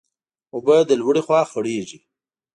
اوبه د لوړي خوا خړېږي.